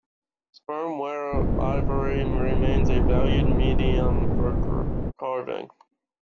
Sperm whale ivory remains a valued medium for carving.